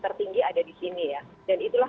tertinggi ada di sini ya dan itulah